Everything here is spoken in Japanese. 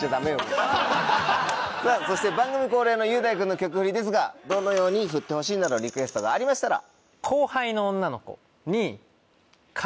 さぁそして番組恒例の雄大くんの曲振りですがどのように振ってほしいなどリクエストがありましたら。